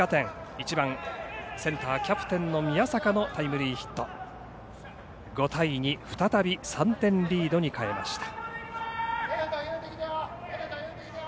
１番センターキャプテンの宮坂のタイムリーヒット５対２、再び３点リードに変えました。